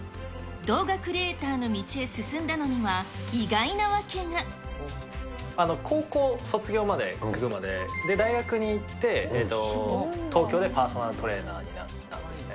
動画クリエーターの道へ進んだの高校卒業まで群馬で、大学に行って東京でパーソナルトレーナーになったんですね。